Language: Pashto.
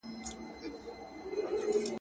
پرون یې شپه وه نن یې شپه ده ورځ په خوا نه لري.